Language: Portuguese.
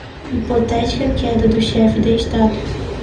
Hipotética queda do chefe de Estado